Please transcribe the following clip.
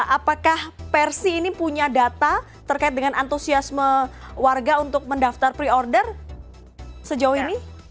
apakah persi ini punya data terkait dengan antusiasme warga untuk mendaftar pre order sejauh ini